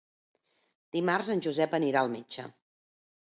Dimarts en Josep anirà al metge.